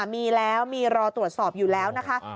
มีแล้วมีรอตรวจสอบอยู่แล้วนะคะ